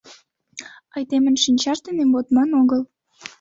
Айдемын шинчаж дене модман огыл!